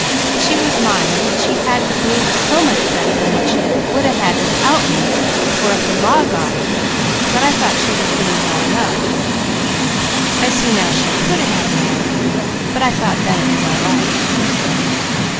She was mine, and what she had with me was so much better than what she would a had without me, or if the law got her, that I thought she was doing well enough. I see now she could a had more; but I thought then it was all right!"